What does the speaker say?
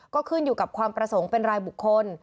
ก็ขึ้นอยู่กับความประสงค์เป็นรายบุคคล